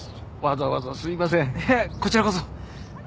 いえこちらこそ。